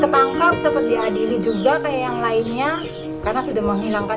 ketangkap cepat diadili juga kayak yang lainnya karena sudah menghilangkan